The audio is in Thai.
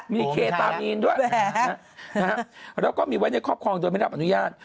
มีเคตามีนด้วยแล้วก็มีไว้ในครอบครองโดยไม่รับอนุญาต